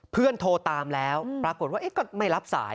เพื่อนโทรตามแล้วปรากฏว่าเอ๊ะก็ไม่รับสาย